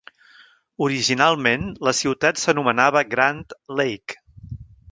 Originalment, la ciutat s'anomenava Grand Lake.